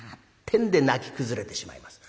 てんで泣き崩れてしまいます。